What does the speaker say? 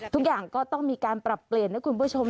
ทุกอย่างก็ต้องมีการปรับเปลี่ยนนะคุณผู้ชม